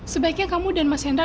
sebaiknya kamu dan mas hendra